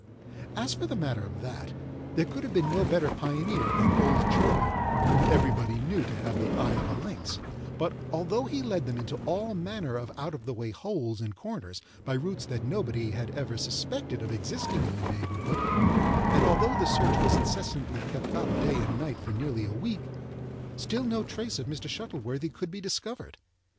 As for the matter of that, there could have been no better pioneer than "Old Charley," whom everybody knew to have the eye of a lynx; but, although he led them into all manner of out of the way holes and corners, by routes that nobody had ever suspected of existing in the neighbourhood, and although the search was incessantly kept up day and night for nearly a week, still no trace of Mr. Shuttleworthy could be discovered.